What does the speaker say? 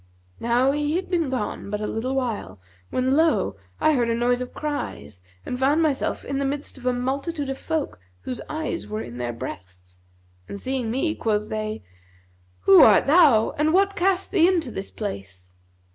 Now he had been gone but a little while, when lo! I heard a noise of cries and found myself in the midst of a multitude of folk whose eyes were in their breasts; and seeing me quoth they, 'Who art thou and what cast thee into this place?'